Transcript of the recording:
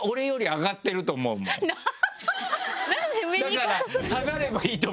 だから下がればいいと思うもん。